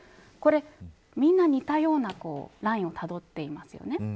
これは、みんな似たようなラインをたどっていますよね。